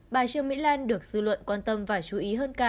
bà trương mỹ lan được dư luận quan tâm và chú ý hơn cả